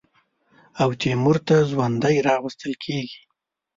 او تیمور ته ژوندی راوستل کېږي.